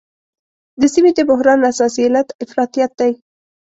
د سیمې د بحران اساسي علت افراطیت دی.